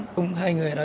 cùng hai người đó